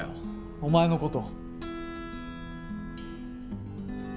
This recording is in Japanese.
お前のこと。